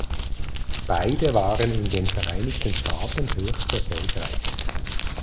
Beide waren in den Vereinigten Staaten höchst erfolgreich.